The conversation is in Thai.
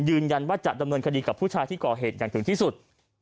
ยืนยันว่าจะดำเนินคดีกับผู้ชายที่ก่อเหตุอย่างถึงที่สุด